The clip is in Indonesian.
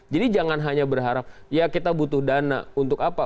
jangan hanya berharap ya kita butuh dana untuk apa